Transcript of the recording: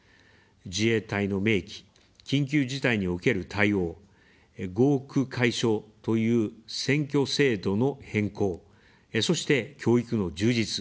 自衛隊の明記、緊急事態における対応、合区解消という選挙制度の変更、そして、教育の充実。